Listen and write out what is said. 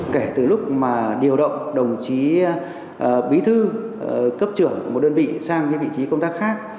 kể từ lúc mà điều động đồng chí bí thư cấp trưởng một đơn vị sang cái vị trí công tác khác